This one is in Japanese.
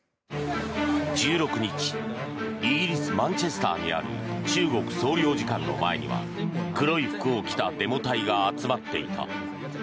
１６日イギリス・マンチェスターにある中国総領事館の前には黒い服を着たデモ隊が集まっていた。